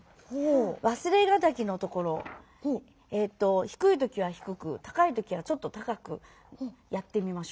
「わすれがたき」のところを低い時は低く高い時はちょっと高くやってみましょうか。